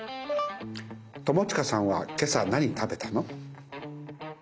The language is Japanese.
友近さんは今朝何食べたの。